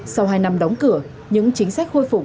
sau hai năm đóng cửa những chính sách khôi phục